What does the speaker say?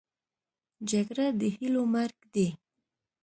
جګړه د هیلو مرګ دی